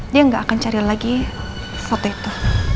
dia nggak akan cari lagi foto itu